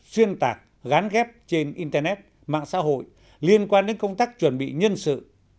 ban bí thư đã ban hành kết luận số năm mươi năm kltvk về công tác chuẩn bị nhân sự